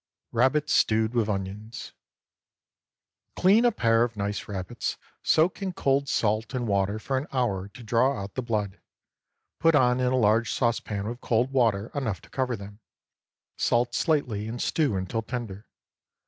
RABBITS STEWED WITH ONIONS. Clean a pair of nice rabbits; soak in cold salt and water for an hour, to draw out the blood; put on in a large saucepan with cold water enough to cover them, salt slightly, and stew until tender.